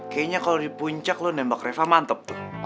kayaknya kalau di puncak lo nembak reva mantep tuh